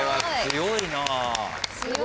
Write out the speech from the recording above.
強いな。